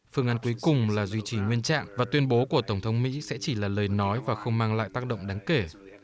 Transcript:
phương án cuối cùng là duy trì nguyên trạng và tuyên bố của tổng thống mỹ sẽ chỉ là lời nói và không mang lại tác động đáng kể